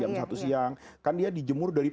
jam satu siang kan dia dijemur dari